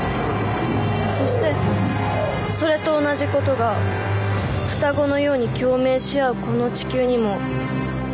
そしてそれと同じことが双子のように共鳴し合うこの地球にも起こる可能性がある。